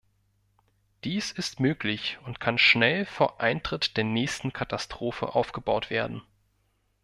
Dies ist möglich und kann schnell vor Eintritt der nächsten Katastrophe aufgebaut werden.